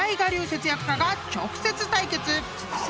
節約家が直接対決！］